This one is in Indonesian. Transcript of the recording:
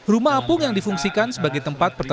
rumah apung yang difungsikan sebagai tempat pertemuan